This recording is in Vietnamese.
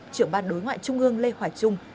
trưởng ban đối ngoại trung ương lê hòa trung